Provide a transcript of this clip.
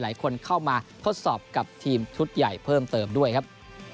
หลายคนเข้ามาทดสอบกับทีมชุดใหญ่เพิ่มเติมด้วยครับ